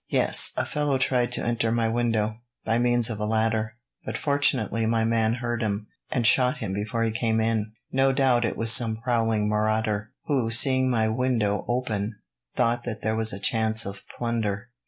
"Yes; a fellow tried to enter my window, by means of a ladder; but fortunately my man heard him, and shot him before he came in. No doubt it was some prowling marauder, who, seeing my window open, thought that there was a chance of plunder."